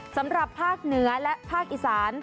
สำหรับภาคเหนือและภาคอีสาน